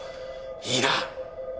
いいな。